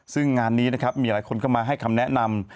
ซึ่งงานนี้นะครับมีหลายคนเข้ามาให้คำแนะนำ